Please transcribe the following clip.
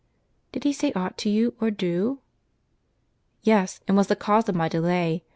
" Did he say aught to you, or do?" "Yes, and was the cause of my delay.